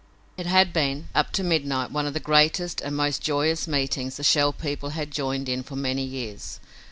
It had been, up to midnight, one of the greatest and most joyous meetings the Shell People had joined in for many years.